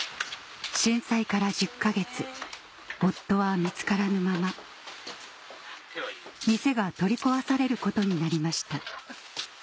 震災から１０か月夫は見つからぬまま店が取り壊されることになりました